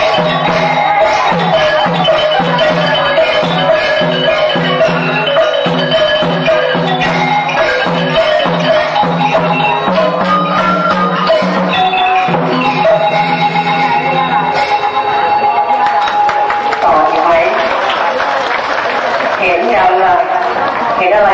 เป็นแบบใดเมื่อได้ยินเสียงร้องคล่องประกาศ